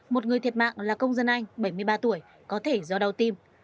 một người thiệt mạng là công dân anh bảy mươi ba tuổi có thể do đau tim